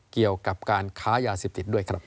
เกี่ยวกับการค้ายาเสพติดด้วยครับ